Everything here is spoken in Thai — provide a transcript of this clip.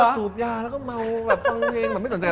สูบยาแล้วก็เมาฟังเพลงไม่สนใจ